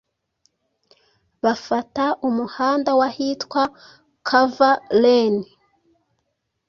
bafata umuhanda w’ahitwa Coverlane.